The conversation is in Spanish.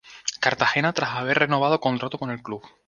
Cartagena tras haber renovado contrato con el club.